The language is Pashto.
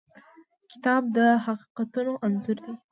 کتاب د حقیقتونو انځور دی.